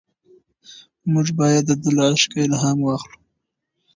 موږ باید د ده له عشقه الهام واخلو.